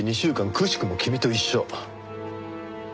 くしくも君と一緒。